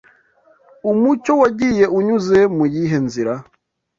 Umucyo wagiye unyuze mu yihe nzira?